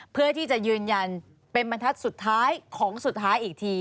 เพื่อที่จะยืนยันเป็นบรรทัศน์สุดท้ายของสุดท้ายอีกที